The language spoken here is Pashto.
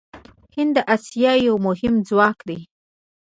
هند د اسیا یو مهم ځواک دی.